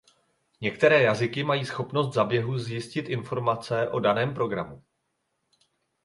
Některé jazyky mají schopnost za běhu zjistit informace o daném programu.